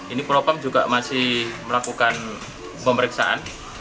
ini propam juga masih melakukan pemeriksaan